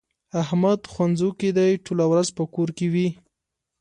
احمد ښځنوکی دی؛ ټوله ورځ په کور کې وي.